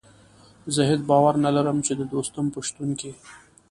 زه هېڅ باور نه لرم چې د دوستم په شتون کې.